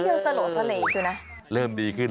อยากสโหลเสล่ดดูนะ